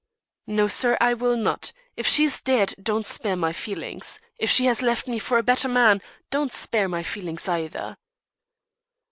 "No, sir, I will not. If she's dead, don't spare my feelings. If she has left me for a better man, don't spare my feelings either."